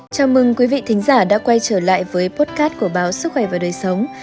chào mừng quý vị thính giả đã quay trở lại với potcat của báo sức khỏe và đời sống